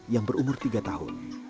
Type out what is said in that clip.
yang berumur tiga tahun